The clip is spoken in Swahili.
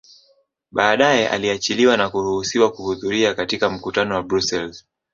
Badae aliachiliwa na kuruhusiwa kuhudhuria katika mkutano wa Brussels